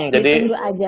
jadi tunggu aja